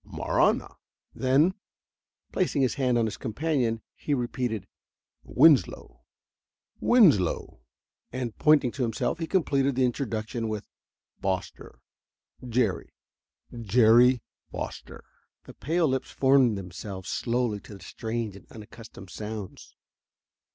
"Marahna!" Then, placing his hand on his companion, he repeated: "Winslow Winslow!" And, pointing to himself, he completed the introduction with: "Foster, Jerry Jerry Foster!" The pale lips formed themselves slowly to the strange and unaccustomed sounds.